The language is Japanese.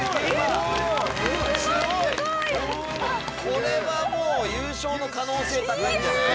これはもう優勝の可能性高いんじゃない？